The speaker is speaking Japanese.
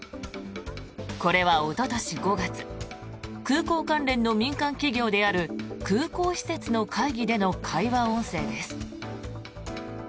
これはおととし５月空港関連の民間企業である空港施設の会議での会話音声です。